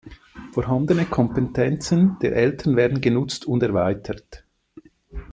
Vorhandene Kompetenzen der Eltern werden genutzt und erweitert.